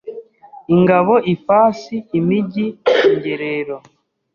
ingabo ifasi imijyi ingerero